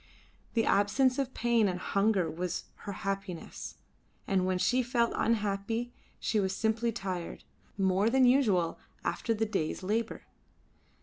The absence of pain and hunger was her happiness, and when she felt unhappy she was simply tired, more than usual, after the day's labour.